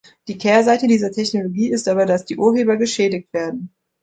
Die Kehrseite dieser Technologie ist aber, dass die Urheber geschädigt werden.